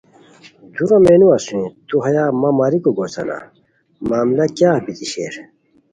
دُورو مینو اسونی تو ہیا مہ ماریکو گوسان معاملہ کیاغ بیتی شیر